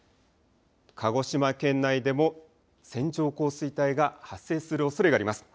鹿児島県内でも線状降水帯が発生するおそれがあります。